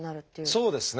そうですね。